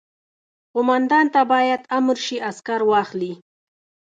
قوماندان ته باید امر شي عسکر واخلي.